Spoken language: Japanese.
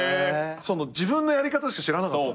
自分のやり方しか知らなかった。